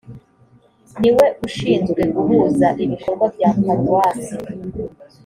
niwe ushinzwe guhuza ibikorwa bya paruwase